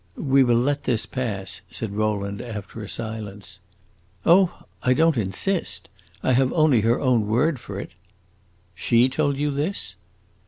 "We will let this pass!" said Rowland, after a silence. "Oh, I don't insist. I have only her own word for it." "She told you this?"